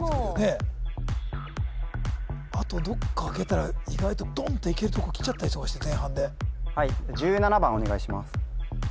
幅はもうあとどっか開けたら意外とドンっていけるとこきちゃったりとかして前半ではい１７番お願いします